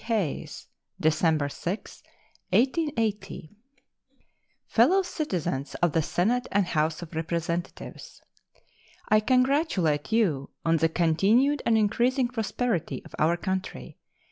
Hayes December 6, 1880 Fellow Citizens of the Senate and House of Representatives: I congratulate you on the continued and increasing prosperity of our country.